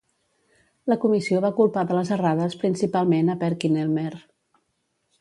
La comissió va culpar de les errades principalment a Perkin-Elmer.